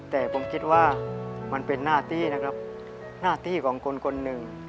แต่ผมคิดว่ามันเป็นหน้าที่นะครับหน้าที่ของคนคนหนึ่ง